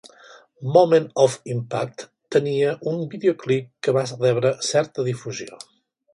"Moment of Impact" tenia un videoclip que va rebre certa difusió.